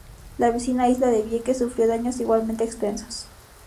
La vecina isla de Vieques sufrió daños igualmente extensos.